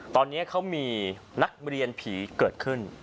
ตอนนี้เขามีนักเรียนผีเกิดขึ้น